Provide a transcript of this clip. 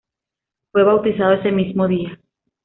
Fue bautizado ese mismo día.